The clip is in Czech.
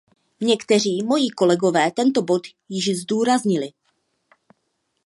Někteří moji kolegové tento bod již zdůraznili.